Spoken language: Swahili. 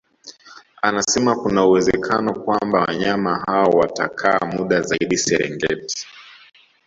Anasema kuna uwezekano kwamba wanyama hao watakaa muda zaidi Serengeti